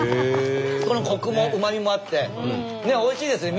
このコクもうまみもあっておいしいですね